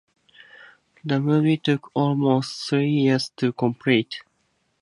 The movie took almost three years to complete.